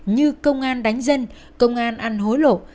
như công an đánh dân công an ăn hối lộ